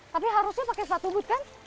tapi harusnya pakai sepatu but kan